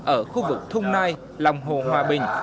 ở khu vực thung nai lòng hồ hòa bình